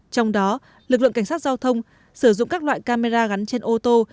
trong đó lực lượng cảnh sát giao thông sử dụng các loại camera gắn trên ô tô